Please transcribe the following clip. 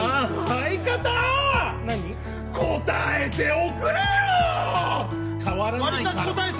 答えておくれよ！